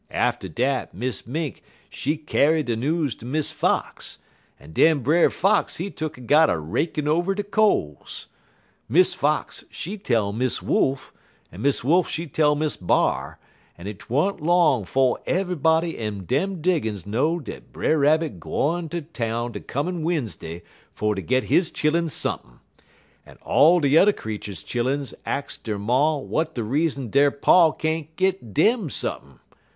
Atter dat Miss Mink she kyar de news ter Miss Fox, en den Brer Fox he tuk'n got a rakin' over de coals. Miss Fox she tell Miss Wolf, en Miss Wolf she tell Miss B'ar, en 't wa'n't long 'fo' ev'ybody in dem diggin's know dat Brer Rabbit gwine ter town de comin' We'n'sday fer ter git his chilluns sump'n'; en all de yuther creeturs' chilluns ax der ma w'at de reason der pa can't git dem sump'n'.